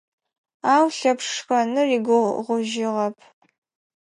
Ау Лъэпшъ шхэныр игугъужьыгъэп.